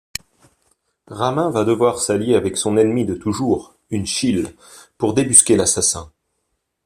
Ramin va devoir s'allier avec son ennemi de toujours, une Chile, pour débusquer l'assassin.